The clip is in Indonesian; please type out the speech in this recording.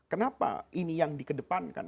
kenapa ini yang di kedepankan